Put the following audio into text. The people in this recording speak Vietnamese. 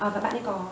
và bạn ấy có